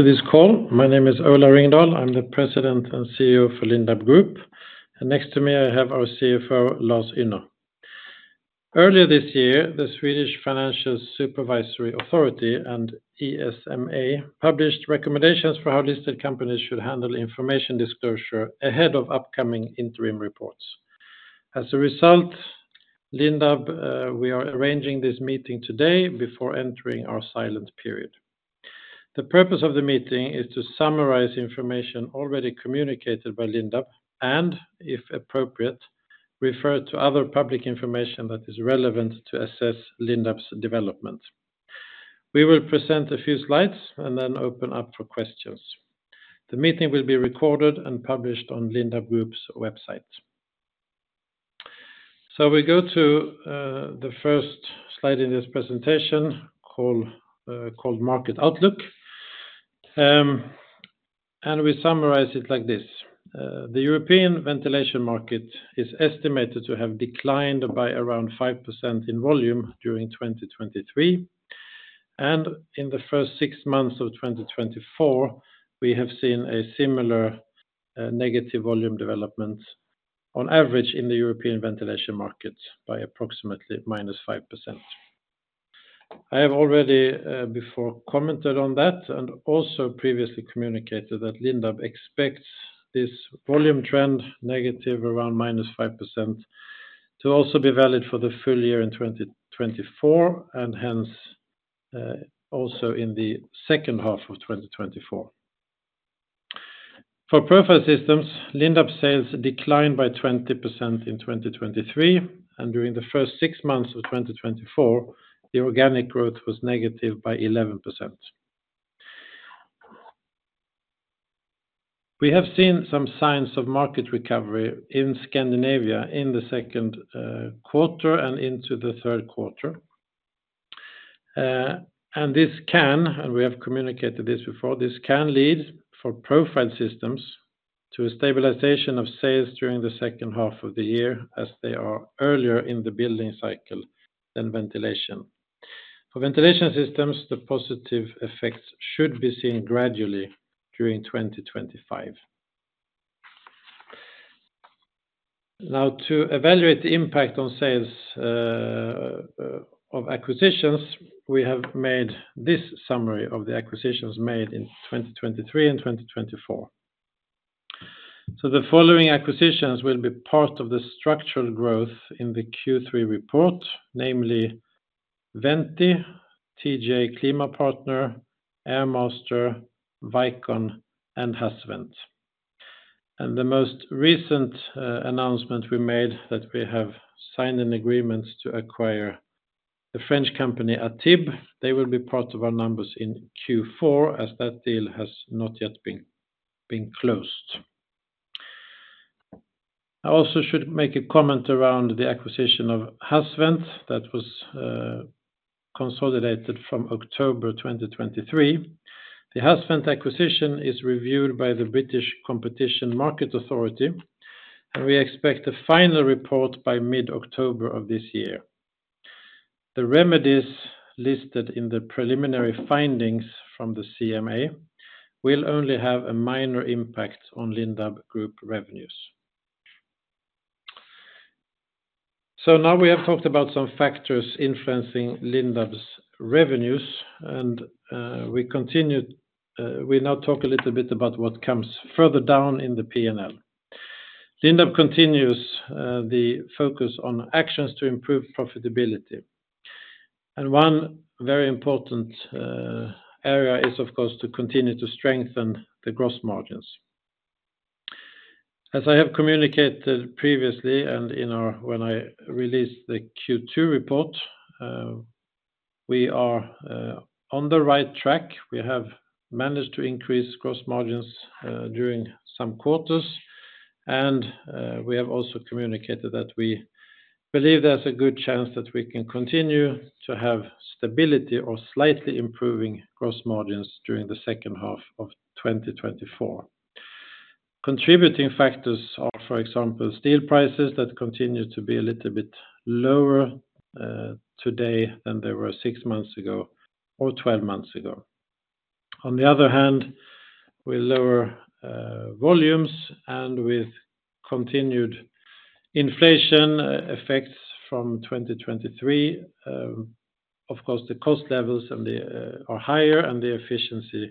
To this call. My name is Ola Ringdahl. I'm the President and CEO for Lindab Group, and next to me, I have our CFO, Lars Ynner. Earlier this year, the Swedish Financial Supervisory Authority and ESMA published recommendations for how listed companies should handle information disclosure ahead of upcoming interim reports. As a result, Lindab, we are arranging this meeting today before entering our silent period. The purpose of the meeting is to summarize information already communicated by Lindab, and if appropriate, refer to other public information that is relevant to assess Lindab's development. We will present a few slides and then open up for questions. The meeting will be recorded and published on Lindab Group's website, so we go to the first slide in this presentation, called Market Outlook. And we summarize it like this: the European ventilation market is estimated to have declined by around 5% in volume during 2023, and in the first six months of 2024, we have seen a similar negative volume development on average in the European ventilation market by approximately -5%. I have already before commented on that, and also previously communicated that Lindab expects this volume trend, negative around -5%, to also be valid for the full year in 2024, and hence also in the second half of 2024. For Profile Systems, Lindab sales declined by 20% in 2023, and during the first six months of 2024, the organic growth was negative by 11%. We have seen some signs of market recovery in Scandinavia in the second quarter and into the third quarter. And we have communicated this before, this can lead for Profile Systems to a stabilization of sales during the second half of the year, as they are earlier in the building cycle than ventilation. For Ventilation Systems, the positive effects should be seen gradually during 2025. Now, to evaluate the impact on sales of acquisitions, we have made this summary of the acquisitions made in 2023 and 2024. So the following acquisitions will be part of the structural growth in the Q3 report, namely Venti, TJ Klimapartner, AirMaster, Vicon, and Hasvent. And the most recent announcement we made that we have signed an agreement to acquire the French company, ATIB. They will be part of our numbers in Q4, as that deal has not yet been closed. I also should make a comment around the acquisition of Hasvent, that was consolidated from October 2023. The Hasvent acquisition is reviewed by the Competition and Markets Authority, and we expect a final report by mid-October of this year. The remedies listed in the preliminary findings from the CMA will only have a minor impact on Lindab Group revenues. Now we have talked about some factors influencing Lindab's revenues, and we now talk a little bit about what comes further down in the P&L. Lindab continues the focus on actions to improve profitability. One very important area is, of course, to continue to strengthen the gross margins. As I have communicated previously, and in our, when I released the Q2 report, we are on the right track. We have managed to increase gross margins during some quarters, and we have also communicated that we believe there's a good chance that we can continue to have stability or slightly improving gross margins during the second half of 2024. Contributing factors are, for example, steel prices that continue to be a little bit lower today than they were six months ago or twelve months ago. On the other hand, with lower volumes and with continued inflation effects from 2023, of course, the cost levels and the are higher and the efficiency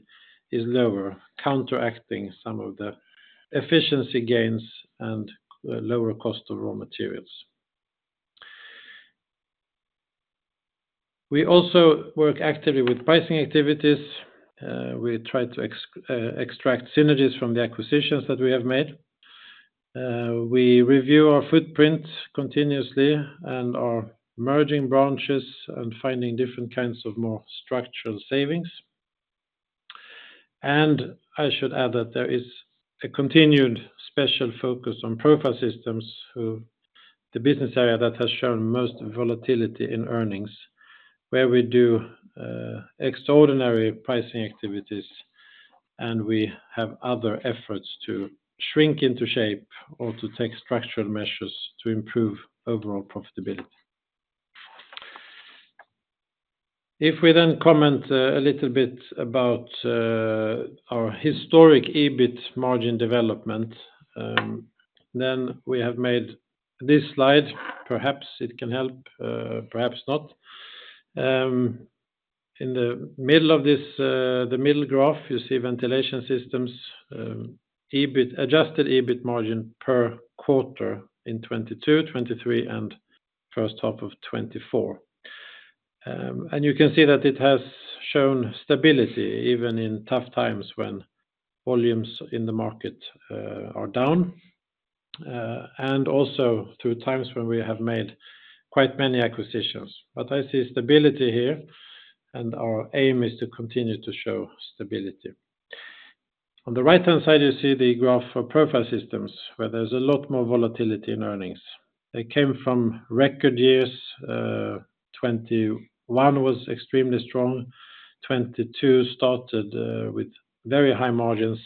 is lower, counteracting some of the efficiency gains and lower cost of raw materials. We also work actively with pricing activities. We try to extract synergies from the acquisitions that we have made. We review our footprint continuously and are merging branches and finding different kinds of more structural savings. And I should add that there is a continued special focus on Profile Systems, who the business area that has shown most volatility in earnings, where we do extraordinary pricing activities, and we have other efforts to shrink into shape or to take structural measures to improve overall profitability. If we then comment a little bit about our historic EBIT margin development, then we have made this slide, perhaps it can help, perhaps not. In the middle of this, the middle graph, you see Ventilation Systems, EBIT, adjusted EBIT margin per quarter in 2022, 2023, and first half of 2024. You can see that it has shown stability, even in tough times when volumes in the market are down, and also through times when we have made quite many acquisitions. I see stability here, and our aim is to continue to show stability. On the right-hand side, you see the graph for Profile Systems, where there's a lot more volatility in earnings. They came from record years, 2021 was extremely strong, 2022 started with very high margins,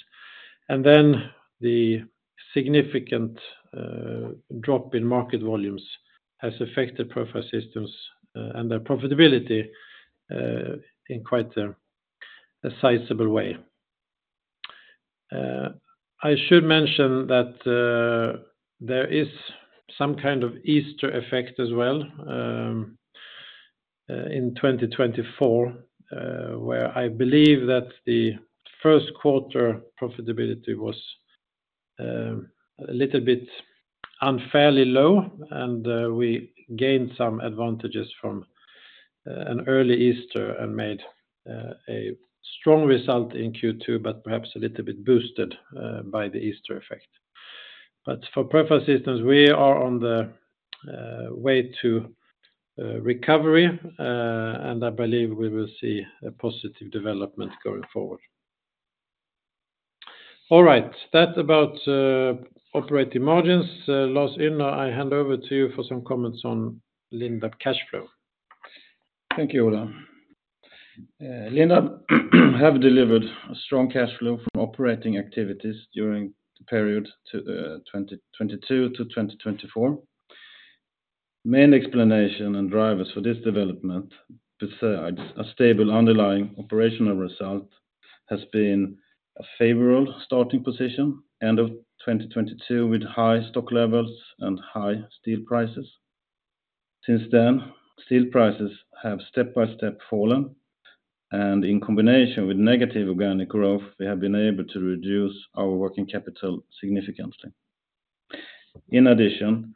and then the significant drop in market volumes has affected Profile Systems and their profitability in quite a sizable way. I should mention that there is some kind of Easter effect as well in 2024, where I believe that the first quarter profitability was a little bit unfairly low, and we gained some advantages from an early Easter and made a strong result in Q2, but perhaps a little bit boosted by the Easter effect. For Profile Systems, we are on the way to recovery, and I believe we will see a positive development going forward. All right, that's about operating margins. Lars Ynner, I hand over to you for some comments on Lindab cash flow. Thank you, Ola. Lindab have delivered a strong cash flow from operating activities during the period to 2022-2024. Main explanation and drivers for this development, besides a stable underlying operational result, has been a favorable starting position, end of 2022, with high stock levels and high steel prices. Since then, steel prices have step-by-step fallen, and in combination with negative organic growth, we have been able to reduce our working capital significantly. In addition,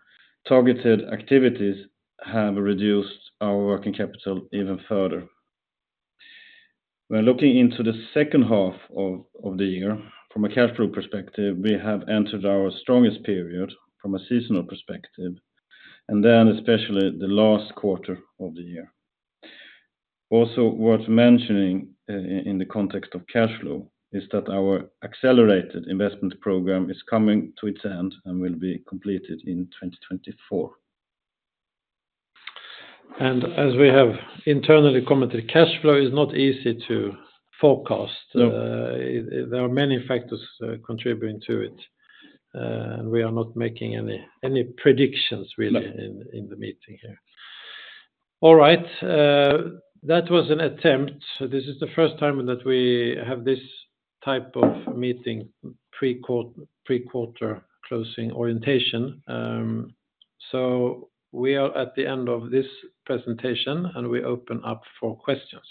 targeted activities have reduced our working capital even further. When looking into the second half of the year, from a cash flow perspective, we have entered our strongest period from a seasonal perspective, and then especially the last quarter of the year. Also, worth mentioning, in the context of cash flow, is that our accelerated investment program is coming to its end and will be completed in 2024. As we have internally commented, cash flow is not easy to forecast. No. There are many factors contributing to it, and we are not making any predictions, really. No In the meeting here. All right, that was an attempt. So this is the first time that we have this type of meeting, pre-quarter closing orientation. So we are at the end of this presentation, and we open up for questions.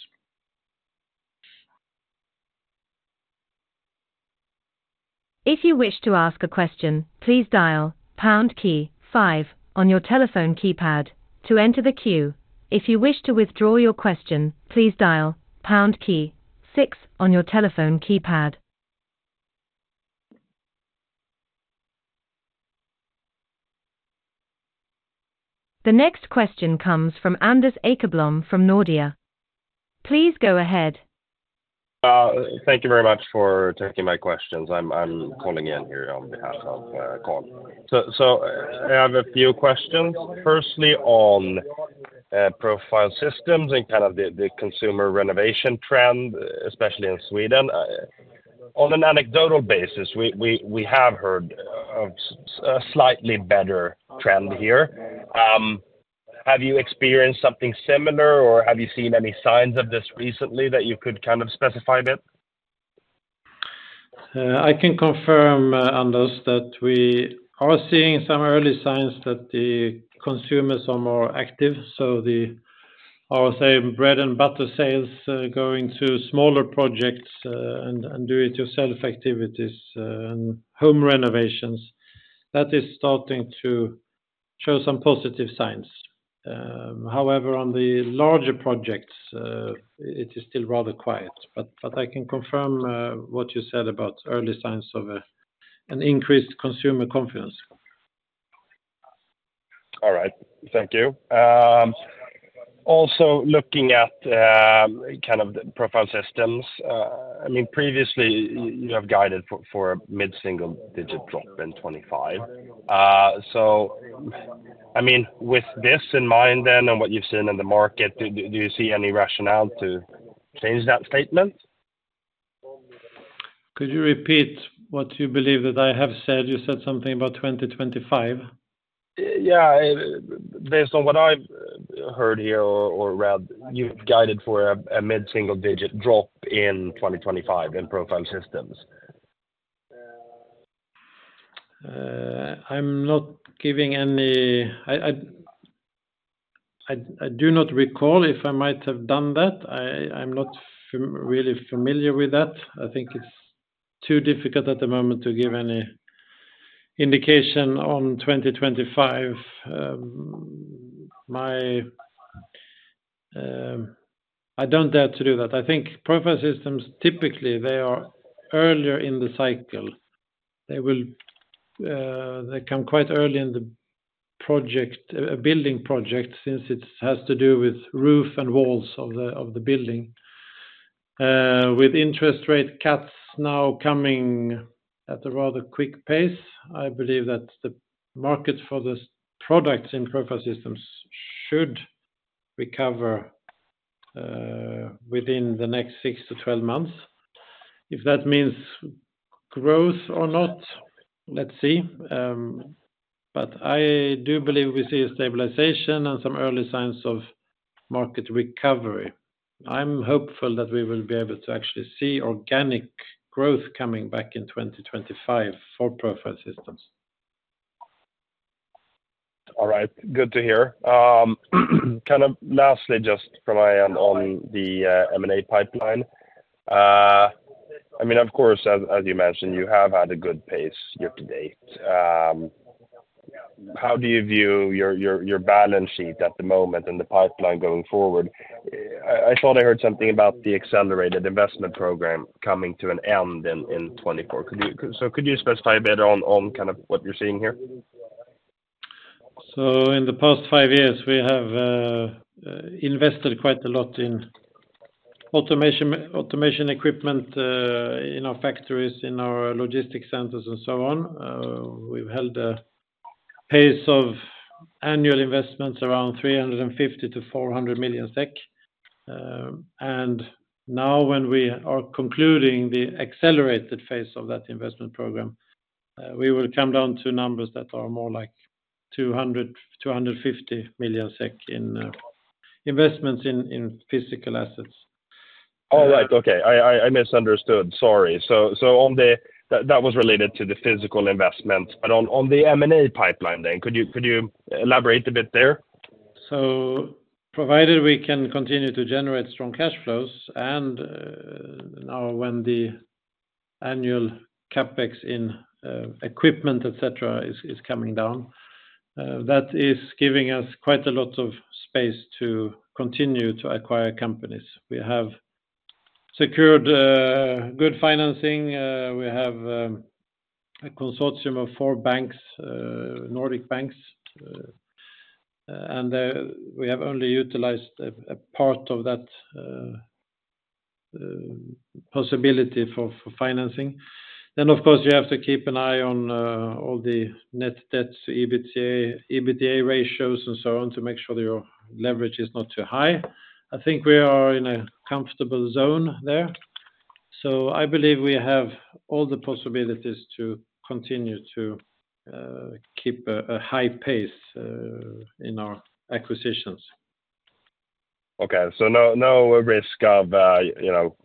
If you wish to ask a question, please dial pound key five on your telephone keypad to enter the queue. If you wish to withdraw your question, please dial pound key six on your telephone keypad. The next question comes from Anders Åkerblom from Nordea. Please go ahead. Thank you very much for taking my questions. I'm calling in here on behalf of Colin. I have a few questions. Firstly, on Profile Systems and kind of the consumer renovation trend, especially in Sweden. On an anecdotal basis, we have heard of a slightly better trend here. Have you experienced something similar, or have you seen any signs of this recently that you could kind of specify a bit? I can confirm, Anders, that we are seeing some early signs that the consumers are more active, so the, I would say, bread and butter sales, going to smaller projects, and do-it-yourself activities, and home renovations, that is starting to show some positive signs. However, on the larger projects, it is still rather quiet. But I can confirm, what you said about early signs of, an increased consumer confidence. All right. Thank you. Also looking at, kind of the Profile Systems, I mean, previously, you have guided for a mid-single digit drop in 2025. So, I mean, with this in mind then, and what you've seen in the market, do you see any rationale to change that statement?... Could you repeat what you believe that I have said? You said something about 2025. Yeah, based on what I've heard here or read, you've guided for a mid-single digit drop in 2025 in Profile Systems. I'm not giving any. I do not recall if I might have done that. I'm not really familiar with that. I think it's too difficult at the moment to give any indication on 2025. I don't dare to do that. I think Profile Systems, typically, they are earlier in the cycle. They will, they come quite early in the project, building project, since it has to do with roof and walls of the building. With interest rate cuts now coming at a rather quick pace, I believe that the market for this product in Profile Systems should recover, within the next six to twelve months. If that means growth or not, let's see. But I do believe we see a stabilization and some early signs of market recovery. I'm hopeful that we will be able to actually see organic growth coming back in 2025 for Profile Systems. All right. Good to hear. Kind of lastly, just from my end on the M&A pipeline. I mean, of course, as you mentioned, you have had a good pace year to date. How do you view your balance sheet at the moment and the pipeline going forward? I thought I heard something about the accelerated investment program coming to an end in twenty-four. Could you specify a bit on kind of what you're seeing here? In the past five years, we have invested quite a lot in automation, automation equipment, in our factories, in our logistics centers, and so on. We've held a pace of annual investments around 350-400 million SEK. Now when we are concluding the accelerated phase of that investment program, we will come down to numbers that are more like 200-250 million SEK in investments in physical assets. All right. Okay. I misunderstood. Sorry. So on the... That was related to the physical investment, but on the M&A pipeline then, could you elaborate a bit there? Provided we can continue to generate strong cash flows, and now, when the annual CapEx in equipment, et cetera, is coming down, that is giving us quite a lot of space to continue to acquire companies. We have secured good financing. We have a consortium of four banks, Nordic banks, and we have only utilized a part of that possibility for financing. Then, of course, you have to keep an eye on all the net debts, EBITDA, EBITDA ratios, and so on, to make sure that your leverage is not too high. I think we are in a comfortable zone there, so I believe we have all the possibilities to continue to keep a high pace in our acquisitions. Okay, so no, no risk of, you know,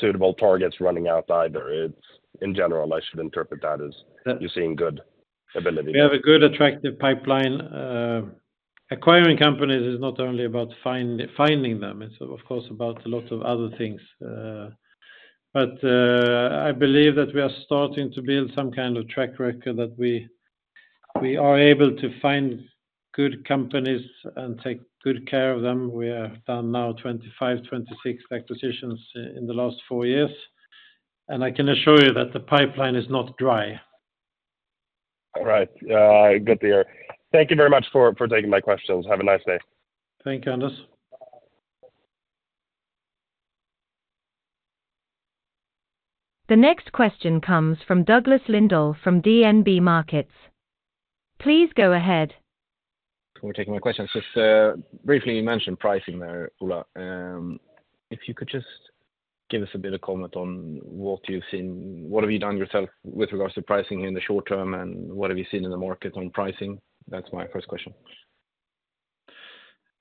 suitable targets running out either. It's in general, I should interpret that as- Yeah. You're seeing good ability. We have a good, attractive pipeline. Acquiring companies is not only about finding them, it's of course about a lot of other things. I believe that we are starting to build some kind of track record that we are able to find good companies and take good care of them. We have done now 25-26 acquisitions in the last four years, and I can assure you that the pipeline is not dry. All right. Good to hear. Thank you very much for taking my questions. Have a nice day. Thank you, Anders. The next question comes from Douglas Lindell from DNB Markets. Please go ahead. Thank you for taking my questions. Just briefly, you mentioned pricing there, Ola. If you could just give us a bit of comment on what you've seen, what have you done yourself with regards to pricing in the short term, and what have you seen in the market on pricing? That's my first question.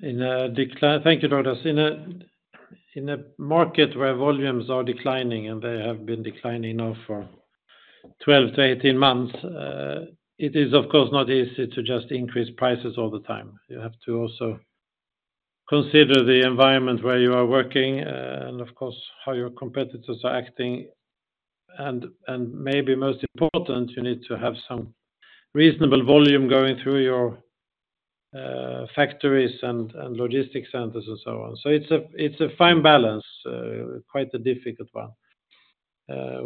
Thank you, Douglas. In a market where volumes are declining, and they have been declining now for 12-18 months, it is, of course, not easy to just increase prices all the time. You have to also consider the environment where you are working, and of course, how your competitors are acting. And maybe most important, you need to have some reasonable volume going through your factories and logistics centers and so on. So it's a fine balance, quite a difficult one.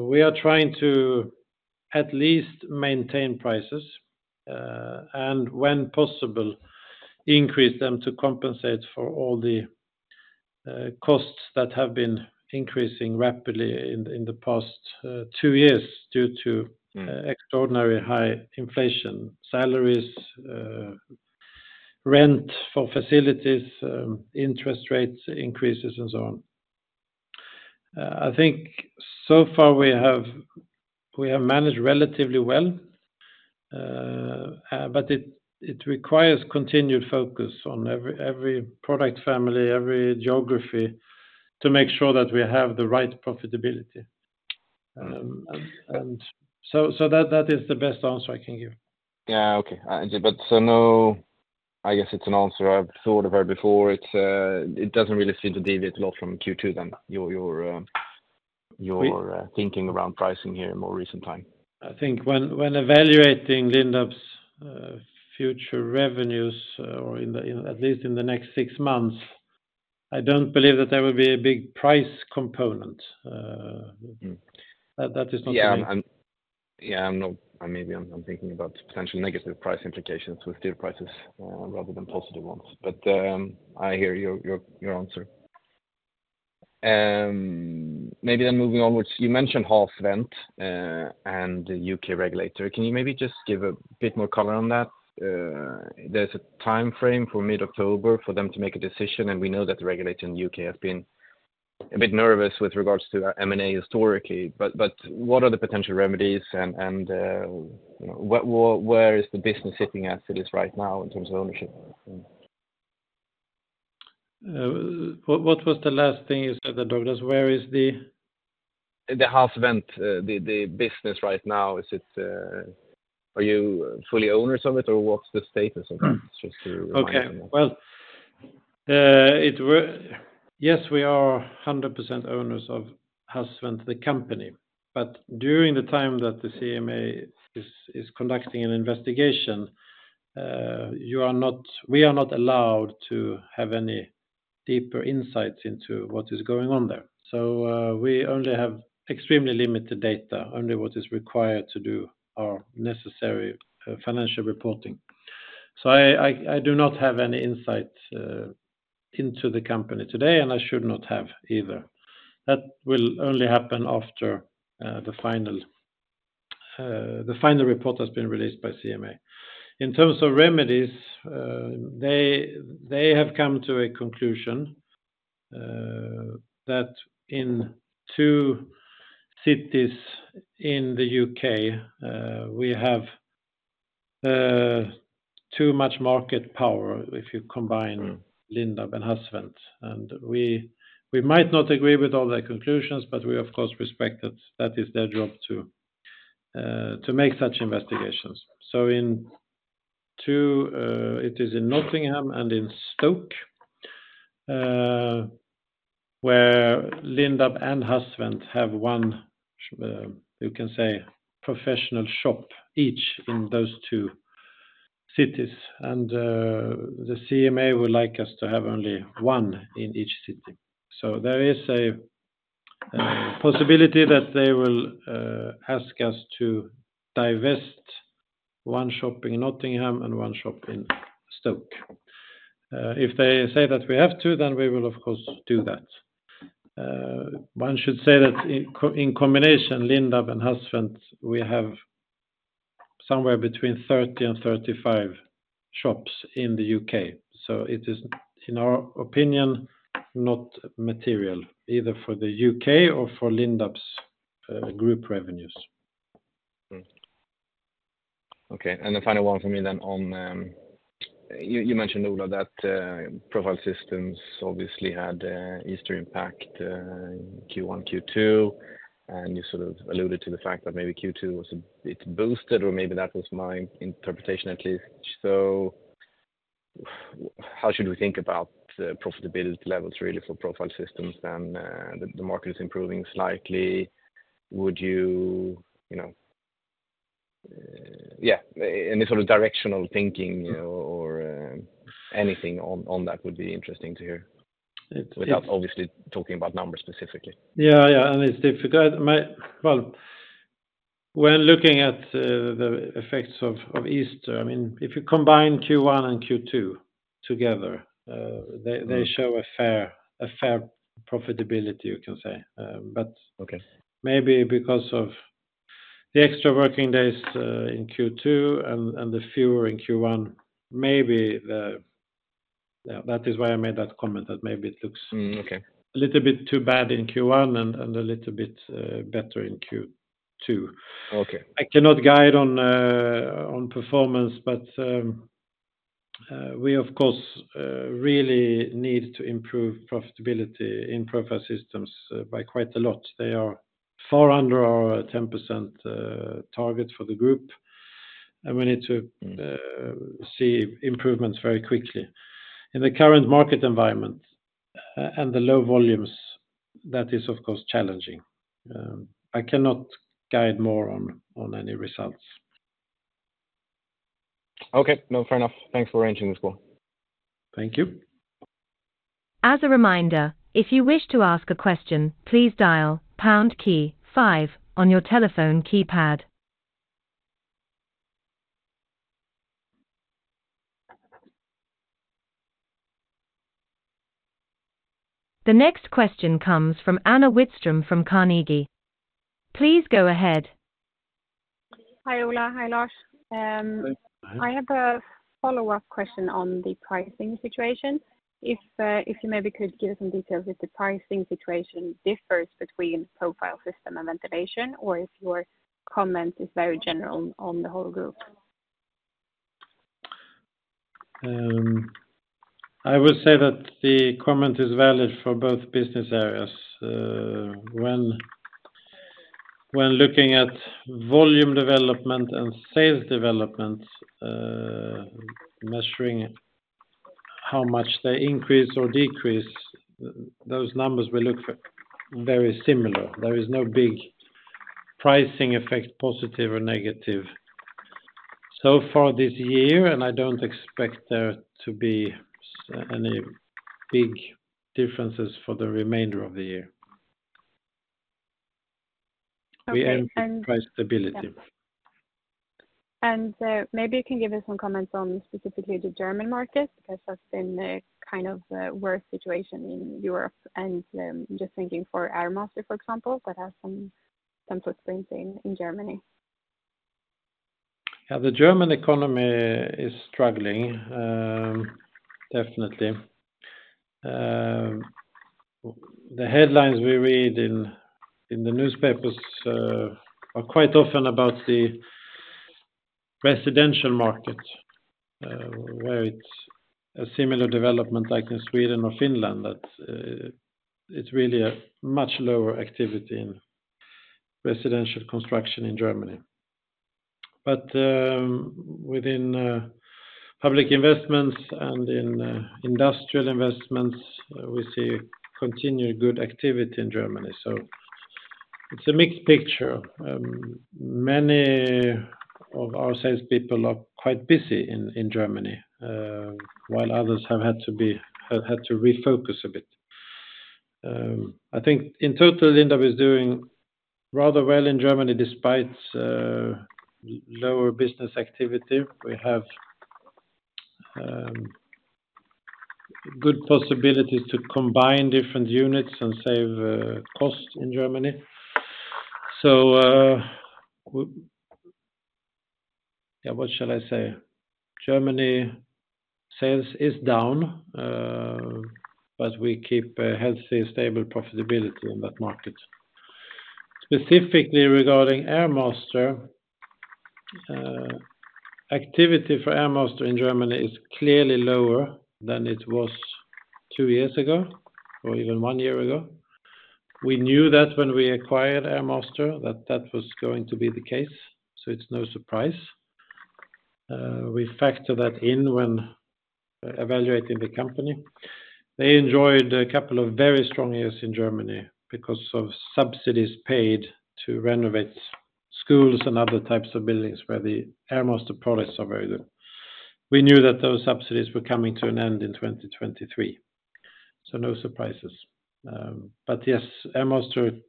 We are trying to at least maintain prices, and when possible, increase them to compensate for all the costs that have been increasing rapidly in the past 2 years due to- Mm-hmm ...extraordinary high inflation, salaries, rent for facilities, interest rates increases, and so on. I think so far we have managed relatively well, but it requires continued focus on every product family, every geography, to make sure that we have the right profitability. And so that is the best answer I can give. Yeah. Okay. But so no, I guess it's an answer I've thought of or heard before. It doesn't really seem to deviate a lot from Q2, then, your thinking around pricing here in more recent time. I think when evaluating Lindab's future revenues, or at least in the next six months, I don't believe that there will be a big price component. Mm-hmm. That is not- Yeah, I'm not... Maybe I'm thinking about potential negative price implications with steel prices rather than positive ones. But I hear your answer. Maybe then moving onwards, you mentioned Hasvent and the U.K. regulator. Can you maybe just give a bit more color on that? There's a time frame for mid-October for them to make a decision, and we know that the regulator in U.K. have been a bit nervous with regards to our M&A historically. But what are the potential remedies, and you know, what, where is the business sitting as it is right now in terms of ownership? What was the last thing you said there, Douglas? Where is the- The Hasvent, the business right now, is it, are you fully owners of it, or what's the status of it? Just to- Yes, we are 100% owners of Hasvent, the company. But during the time that the CMA is conducting an investigation, we are not allowed to have any deeper insight into what is going on there. We only have extremely limited data, only what is required to do our necessary financial reporting. I do not have any insight into the company today, and I should not have either. That will only happen after the final report has been released by CMA. In terms of remedies, they have come to a conclusion that in two cities in the U.K., we have too much market power if you combine- Mm... Lindab and Hasvent. And we might not agree with all their conclusions, but we, of course, respect that. That is their job to make such investigations. So in two, it is in Nottingham and in Stoke, where Lindab and Hasvent have one, you can say, professional shop, each in those two cities. And the CMA would like us to have only one in each city. So there is a possibility that they will ask us to divest one shop in Nottingham and one shop in Stoke. If they say that we have to, then we will, of course, do that. One should say that in combination, Lindab and Hasvent, we have somewhere between 30 and 35 shops in the U.K. So it is, in our opinion, not material, either for the U.K. or for Lindab's group revenues. Okay, and the final one for me then on, you, you mentioned, Ola, that Profile Systems obviously had an Easter impact in Q1, Q2, and you sort of alluded to the fact that maybe Q2 was a bit boosted, or maybe that was my interpretation, at least. So how should we think about the profitability levels really for Profile Systems, then? The market is improving slightly. Would you, you know, yeah, any sort of directional thinking or, or, anything on, on that would be interesting to hear. It's- Without obviously talking about numbers specifically. Yeah, yeah, and it's difficult. My-- Well, when looking at the effects of Easter, I mean, if you combine Q1 and Q2 together, Mm... they show a fair profitability, you can say. But- Okay... maybe because of the extra working days, in Q2 and the fewer in Q1, maybe the... That is why I made that comment, that maybe it looks- Mm, okay... a little bit too bad in Q1 and a little bit better in Q2. Okay. I cannot guide on performance, but we of course really need to improve profitability in Profile Systems by quite a lot. They are far under our 10% target for the group, and we need to- Mm... see improvements very quickly. In the current market environment, and the low volumes, that is, of course, challenging. I cannot guide more on any results. Okay. No, fair enough. Thanks for arranging this call. Thank you. As a reminder, if you wish to ask a question, please dial pound key five on your telephone keypad. The next question comes from Anna Widström from Carnegie. Please go ahead. Hi, Ola. Hi, Lars. I have a follow-up question on the pricing situation. If you maybe could give us some details if the pricing situation differs between profile system and ventilation, or if your comment is very general on the whole group? I would say that the comment is valid for both business areas. When looking at volume development and sales development, measuring how much they increase or decrease, those numbers will look very similar. There is no big pricing effect, positive or negative, so far this year, and I don't expect there to be any big differences for the remainder of the year. Okay, and- We aim for price stability. Maybe you can give us some comments on specifically the German market, because that's been a kind of worse situation in Europe, and just thinking for AirMaster, for example, that has some footprint in Germany. Yeah, the German economy is struggling, definitely. The headlines we read in the newspapers are quite often about the residential market, where it's a similar development like in Sweden or Finland, that it's really a much lower activity in residential construction in Germany, but within public investments and in industrial investments, we see continued good activity in Germany, so it's a mixed picture. Many of our salespeople are quite busy in Germany, while others have had to refocus a bit. I think in total, Lindab is doing rather well in Germany, despite lower business activity. We have good possibilities to combine different units and save cost in Germany, so yeah, what shall I say? Germany, sales is down, but we keep a healthy, stable profitability in that market. Specifically regarding AirMaster, activity for AirMaster in Germany is clearly lower than it was two years ago or even one year ago. We knew that when we acquired AirMaster, that that was going to be the case, so it's no surprise. We factor that in when evaluating the company. They enjoyed a couple of very strong years in Germany because of subsidies paid to renovate schools and other types of buildings where the AirMaster products are very good. We knew that those subsidies were coming to an end in 2023, so no surprises. But yes, AirMaster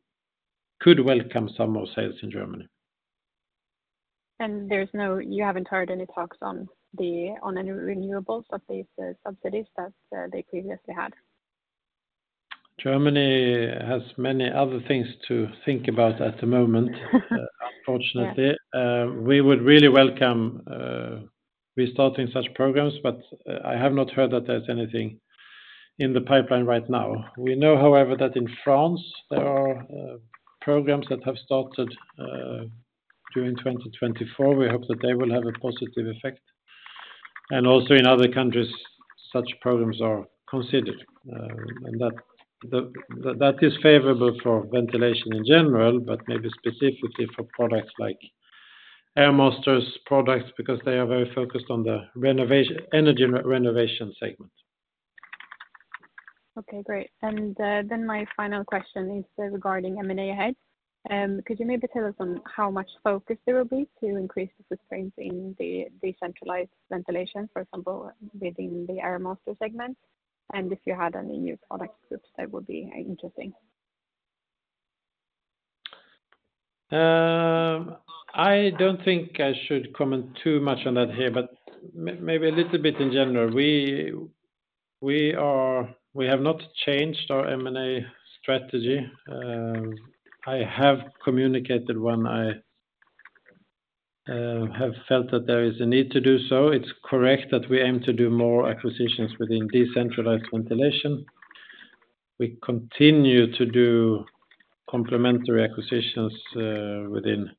could welcome some more sales in Germany. There's no, you haven't heard any talks on any renewables of these subsidies that they previously had? Germany has many other things to think about at the moment, unfortunately. Yeah. We would really welcome restarting such programs, but I have not heard that there's anything in the pipeline right now. We know, however, that in France, there are programs that have started during 2024. We hope that they will have a positive effect, and also in other countries, such programs are considered, and that is favorable for ventilation in general, but maybe specifically for products like AirMaster's products, because they are very focused on the renovation energy renovation segment. Okay, great. And then my final question is regarding M&A ahead. Could you maybe tell us on how much focus there will be to increase the footprint in the decentralized ventilation, for example, within the AirMaster segment? And if you had any new product groups, that would be interesting. I don't think I should comment too much on that here, but maybe a little bit in general. We have not changed our M&A strategy. I have communicated when I have felt that there is a need to do so. It's correct that we aim to do more acquisitions within decentralized ventilation. We continue to do complementary acquisitions within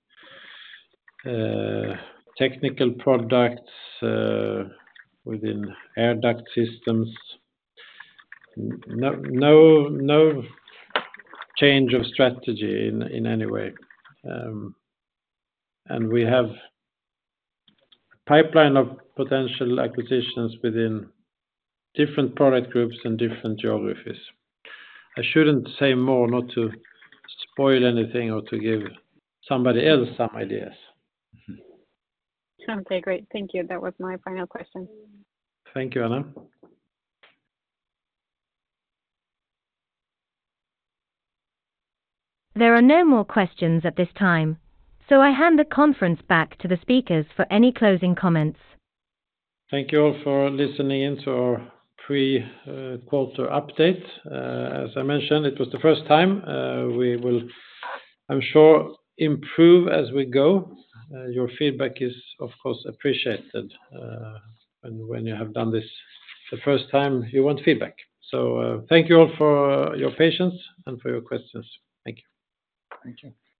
technical products, within air duct systems. No, no, no change of strategy in any way, and we have a pipeline of potential acquisitions within different product groups and different geographies. I shouldn't say more, not to spoil anything or to give somebody else some ideas. Okay, great. Thank you. That was my final question. Thank you, Anna. There are no more questions at this time, so I hand the conference back to the speakers for any closing comments. Thank you all for listening in to our pre-quarter update. As I mentioned, it was the first time, we will, I'm sure, improve as we go. Your feedback is, of course, appreciated, and when you have done this the first time, you want feedback. So, thank you all for your patience and for your questions. Thank you. Thank you.